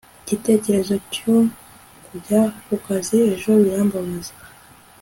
igitekerezo cyo kujya kukazi ejo birambabaza